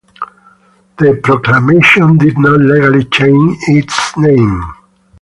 The proclamation did not legally change its name.